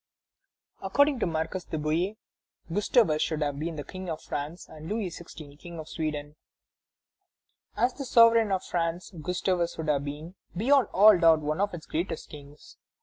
According to the Marquis de Bouillé, Gustavus should have been the King of France, and Louis XVI. King of Sweden. "As the sovereign of France, Gustavus would have been, beyond all doubt, one of its greatest kings.